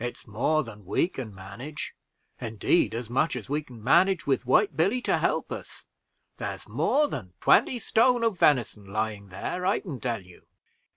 It's more than we can manage indeed, as much as we can manage with White Billy to help us. There's more than twenty stone of venison lying there, I can tell you."